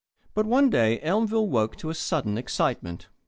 But one day Elmville woke to sudden excitement.